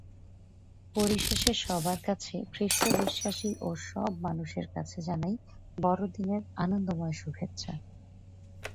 পরিশেষে সবার কাছে খ্রিষ্টবিশ্বাসী ও সব মানুষের কাছে জানাই বড়দিনের আনন্দময় শুভেচ্ছা।